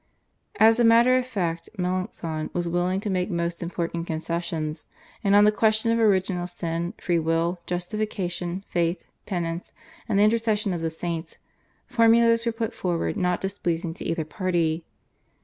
As a matter of fact Melanchthon was willing to make most important concessions, and on the question of original sin, free will, justification, faith, penance, and the intercession of the saints, formulas were put forward not displeasing to either party.